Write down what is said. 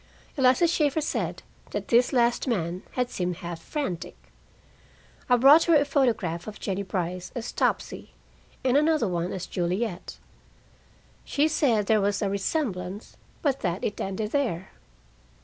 Eliza Shaeffer said that this last man had seemed half frantic. I brought her a photograph of Jennie Brice as "Topsy" and another one as "Juliet". She said there was a resemblance, but that it ended there.